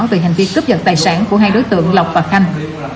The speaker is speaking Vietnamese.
về hành vi cướp giật tài sản của hai đối tượng lộc và khanh